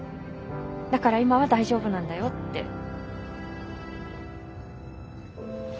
だから今は大丈夫なんだよって。